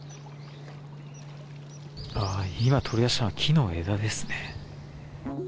ああ、今、取り出したのは木の枝ですね。